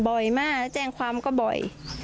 บ่อยมากแล้วแจ้งความเขาบ่อย